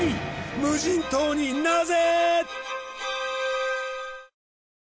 無人島になぜ！？